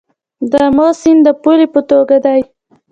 د امو سیند د پولې په توګه دی